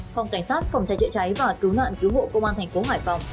phòng cảnh sát phòng trái trịa trái và cứu nạn cứu hộ công an thành phố hải phòng